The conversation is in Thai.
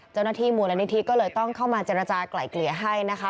เจ้าหน้าที่มูลนิธิก็เลยต้องเข้ามาเจรจากลายเกลี่ยให้นะคะ